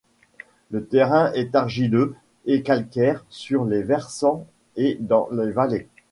Le terrain est argileux et calcaires sur les versants et dans les vallées.